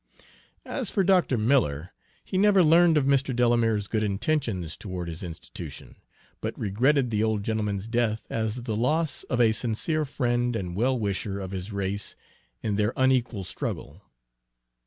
As for Dr. Miller, he never learned of Mr. Delamere's good intentions toward his institution, but regretted the old gentleman's death as the loss of a sincere friend and well wisher of his race in their unequal struggle.